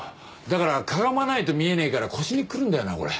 だからかがまないと見えねえから腰に来るんだよなこれ。